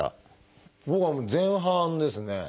僕は前半ですね。